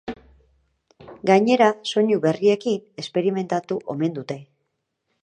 Gainera, soinu berriekin esperimentatu omen dute.